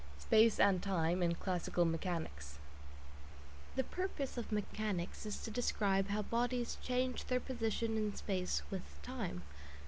SPACE AND TIME IN CLASSICAL MECHANICS The purpose of mechanics is to describe how bodies change their position in space with "time."